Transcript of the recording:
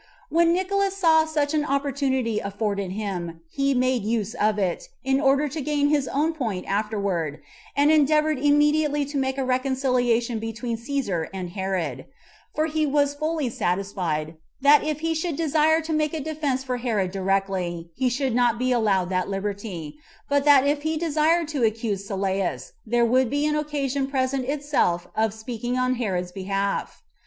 When Nicolaus saw such an opportunity afforded him, he made use of it, in order to gain his own point afterward, and endeavored immediately to make a reconciliation between Cæsar and Herod; for he was fully satisfied, that if he should desire to make a defense for Herod directly, he should not be allowed that liberty; but that if he desired to accuse Sylleus, there would an occasion present itself of speaking on Herod's behalf.